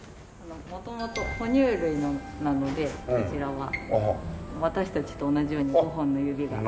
元々哺乳類なのでクジラは私たちと同じように５本の指が。